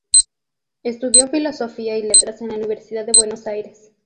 Estudió Filosofía y Letras en la Universidad de Buenos Aires.